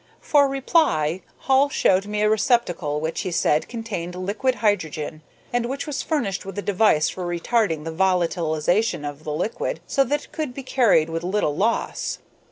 For reply Hall showed me a receptacle which, he said, contained liquid hydrogen, and which was furnished with a device for retarding the volatilization of the liquid so that it could be carried with little loss.